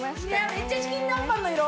めっちゃチキン南蛮の色！